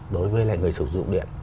đối với người sử dụng điện